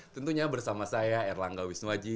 tentunya bersama saya erlangga wisnuwaji